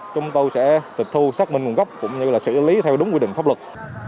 chúng tôi sẽ tịch thu xác minh nguồn gốc cũng như là xử lý theo đúng quy định pháp luật